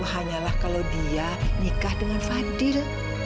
hanyalah kalau dia nikah dengan fadil